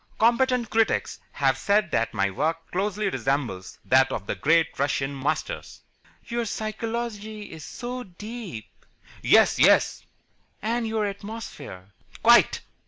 Competent critics have said that my work closely resembles that of the great Russian Masters." "Your psychology is so deep." "Yes, yes." "And your atmosphere." "Quite."